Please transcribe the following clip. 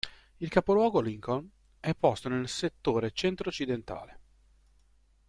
Il capoluogo Lincoln è posto nel settore centro-occidentale.